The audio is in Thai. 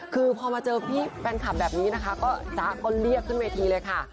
คือพอมาเจอพี่แฟนคลับแบบนี้นะคะก็จ๊ะก็เรียกขึ้นเวทีเลยค่ะ